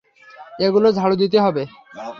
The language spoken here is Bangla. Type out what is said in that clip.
এগুলো ঝাড়ু দিতে হবে।